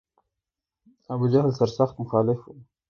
ابوجهل سر سخت مخالف و.